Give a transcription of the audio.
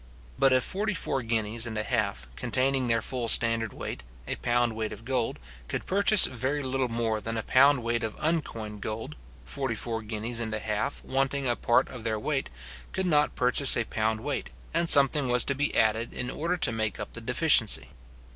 But if forty four guineas and a half, containing their full standard weight, a pound weight of gold, could purchase very little more than a pound weight of uncoined gold; forty four guineas and a half, wanting a part of their weight, could not purchase a pound weight, and something was to be added, in order to make up the deficiency.